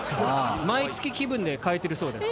毎月気分で変えてるそうです。